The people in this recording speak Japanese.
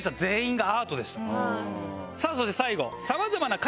さあそして最後。